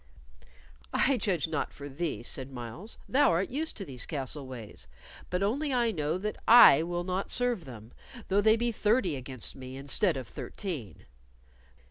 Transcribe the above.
"I judge not for thee," said Myles. "Thou art used to these castle ways, but only I know that I will not serve them, though they be thirty against me instead of thirteen."